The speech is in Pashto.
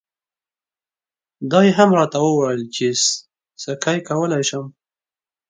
دا یې هم راته وویل چې سکی کولای شم.